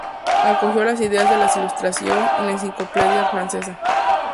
Acogió las ideas de la Ilustración y la Enciclopedia francesa.